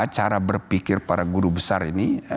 cara berpikir para guru besar ini